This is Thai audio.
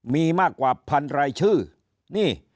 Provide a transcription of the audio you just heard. มีมากกว่าพันรายชื่อนี่